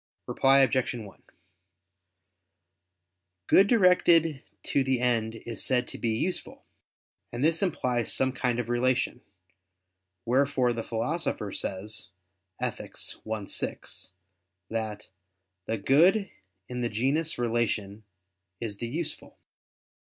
Reply Obj. 1: Good directed to the end is said to be useful; and this implies some kind of relation: wherefore the Philosopher says (Ethic. i, 6) that "the good in the genus 'relation' is the useful."